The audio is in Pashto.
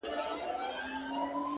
o ته چي قدمونو كي چابكه سې؛